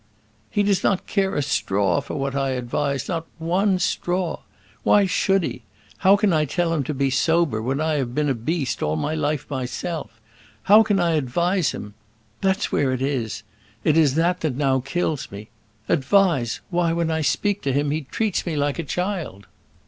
"He does not care a straw for what I advise, not one straw. Why should he? How can I tell him to be sober when I have been a beast all my life myself? How can I advise him? That's where it is! It is that that now kills me. Advise! Why, when I speak to him he treats me like a child."